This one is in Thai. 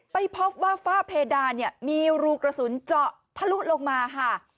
ไปพบว่าฝ้าเพดานเนี่ยมีรูกระสุนเจาะทะลุลงมาค่ะ